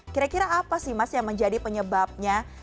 kira kira apa sih mas yang menjadi penyebabnya